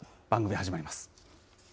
番組始まります。